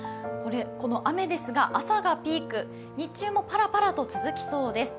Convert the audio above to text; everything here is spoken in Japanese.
この雨ですが朝がピーク日中もパラパラと続きそうです。